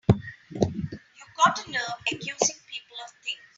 You've got a nerve accusing people of things!